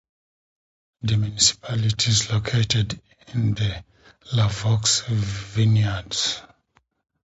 The municipality is located in the Lavaux vineyards.